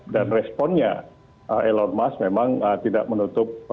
dan responnya elon musk memang tidak menutup